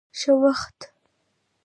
ښه وخت.